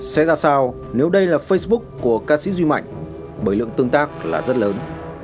sẽ ra sao nếu đây là facebook của ca sĩ duy mạnh bởi lượng tương tác là rất lớn